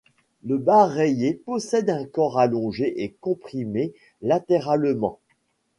Le bar rayé possède un corps allongé et comprimé latéralement.